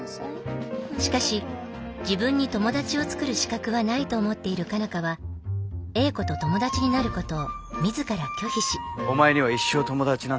しかし自分に友達を作る資格はないと思っている佳奈花は英子と友達になることを自ら拒否しお前には一生友達なんてできない。